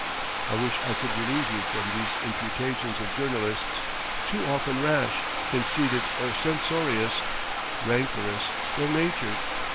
I wish I could relieve you from these imputations of journalists, too often rash, conceited or censorious, rancorous, ill natured.